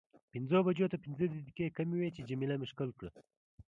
پنځو بجو ته پنځه دقیقې کمې وې چې جميله مې ښکل کړه.